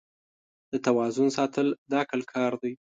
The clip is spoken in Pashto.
د توازن ساتل د عقل کار دی.